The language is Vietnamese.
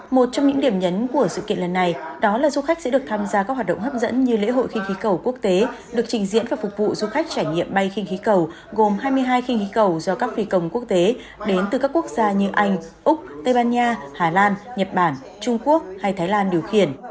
một trong những điểm nhấn của sự kiện lần này đó là du khách sẽ được tham gia các hoạt động hấp dẫn như lễ hội khinh khí cầu quốc tế được trình diễn và phục vụ du khách trải nghiệm bay khinh khí cầu gồm hai mươi hai khinh khí cầu do các phi công quốc tế đến từ các quốc gia như anh úc tây ban nha hà lan nhật bản trung quốc hay thái lan điều khiển